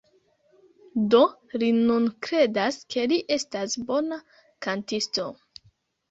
Do, li nun kredas, ke li estas bona kantisto